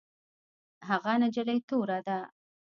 هغه نجلۍ توره ده